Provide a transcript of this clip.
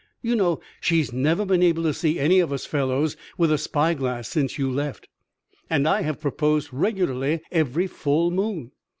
"You know! She's never been able to see any of us fellows with a spy glass since you left, and I have proposed regularly every full moon."